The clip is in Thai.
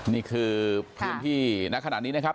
นี่คือเพื่อนพี่นะขนาดนี้นะครับ